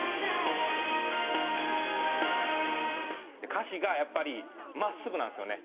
歌詞がやっぱり真っすぐなんですよね。